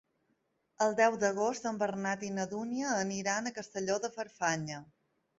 El deu d'agost en Bernat i na Dúnia aniran a Castelló de Farfanya.